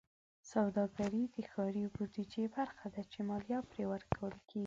سوداګرۍ د ښاري بودیجې برخه ده چې مالیه پرې ورکول کېږي.